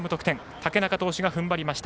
竹中投手が踏ん張りました。